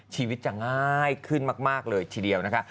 ชีวิตจะง่ายขึ้นมากเลยทีเดียวนะคะ